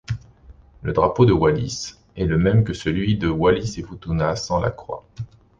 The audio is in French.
Le drapeau de Wallis est le même que celui de Wallis-et-Futuna sans la croix.